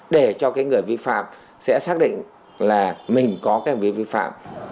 để cho cái người vi phạm sẽ xác định là mình có cái việc vi phạm